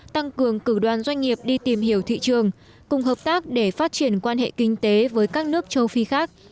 tăng cường cử đoàn doanh nghiệp đi tìm hiểu thị trường cùng hợp tác để phát triển quan hệ kinh tế với các nước châu phi khác